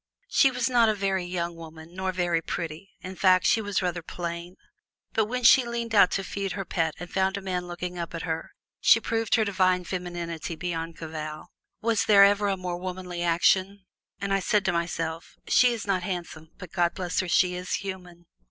She was not a very young woman, nor very pretty in fact, she was rather plain but when she leaned out to feed her pet and found a man looking up at her she proved her divine femininity beyond cavil. Was there ever a more womanly action? And I said to myself, "She is not handsome but God bless her, she is human!"